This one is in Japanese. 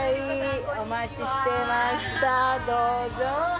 お待ちしてました、どうぞ。